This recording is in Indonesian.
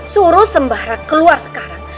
suruh sembara keluar sekarang